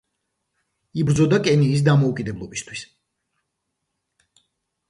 იბრძოდა კენიის დამოუკიდებლობისათვის.